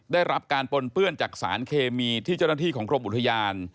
ได้รับการปนเปื้อนจากสารเคมีที่เจ้าหน้าที่ของกรมอุทยาน